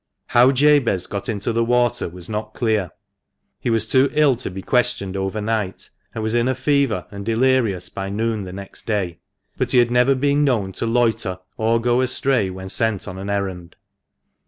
How Jabez got into the water was not clear ; he was too ill to be questioned over night, and was in a fever and delirious by noon the next day. But he had never been known to loiter or go astray when sent on an errand.